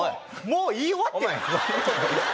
もう言い終わってます